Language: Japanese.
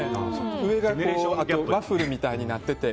上がワッフルみたいになってて。